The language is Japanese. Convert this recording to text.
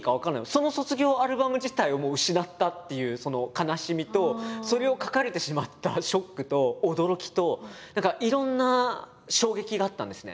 その卒業アルバム自体をもう失ったっていうその悲しみとそれを書かれてしまったショックと驚きと何かいろんな衝撃があったんですね。